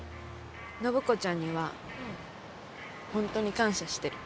暢子ちゃんには本当に感謝してる。